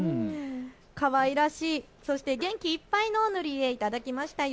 かわいらしい、そして元気いっぱいの塗り絵を頂きました。